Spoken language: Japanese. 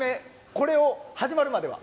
これを始まるまでは。